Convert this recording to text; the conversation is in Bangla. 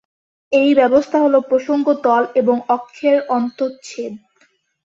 এই ব্যবস্থা হল প্রসঙ্গ তল এবং অক্ষের অন্তচ্ছেদ।